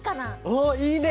おっいいね。